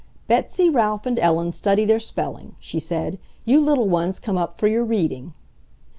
"Betsy, Ralph, and Ellen study their spelling," she said. "You little ones come up for your reading."